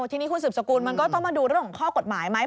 ทีนี้คุณสืบสกุลมันก็ต้องมาดูเรื่องของข้อกฎหมายไหม